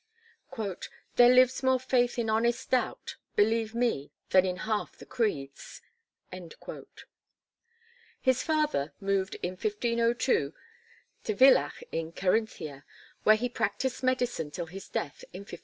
"There lives more faith in honest doubt, Believe me, than in half the creeds." His father moved in 1502 to Villach in Carinthia, where he practised medicine till his death in 1534.